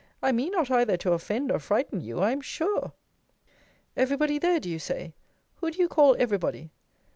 I mean not either to offend or frighten you, I am sure. Every body there, do you say? Who do you call every body?